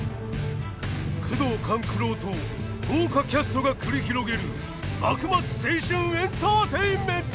宮藤官九郎と豪華キャストが繰り広げる幕末青春エンターテインメント！